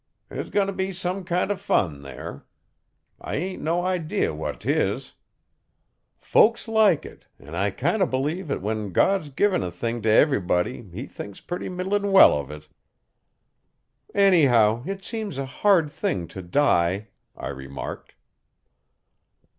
There's goin' t' be some kind o' fun there. I ain' no idee what 'tis. Folks like it an' I kind o' believe 'at when God's gin a thing t' everybody he thinks purty middlin' well uv it.' 'Anyhow, it seems a hard thing to die,' I remarked.